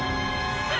あ！